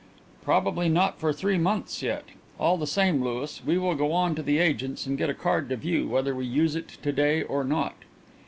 "Probably not for three months yet. All the same, Louis, we will go on to the agents and get a card to view, whether we use it to day or not."